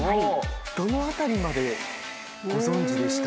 どのあたりまでご存じでした？